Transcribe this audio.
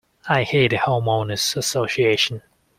I hate the Homeowners' Association.